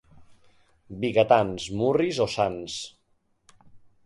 Vigatans, murris o sants.